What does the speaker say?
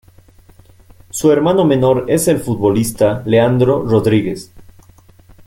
Su hermano menor es el futbolista Leandro Rodríguez.